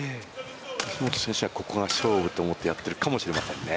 西本選手はここが勝負って思ってやっているかもしれませんね。